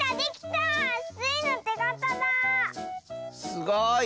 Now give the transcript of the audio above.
すごい！